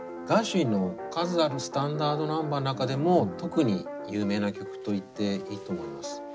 ガーシュウィンの数あるスタンダードナンバーの中でも特に有名な曲と言っていいと思います。